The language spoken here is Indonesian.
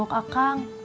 bodoh taruh juga gua